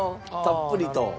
たっぷりと。